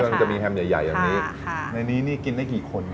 มันจะมีแฮมใหญ่อย่างนี้